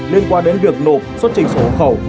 liên quan đến việc nộp xuất trình sổ hộ khẩu